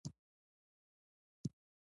ژبه د تمدن نښه ده.